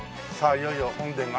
いよいよ本殿が。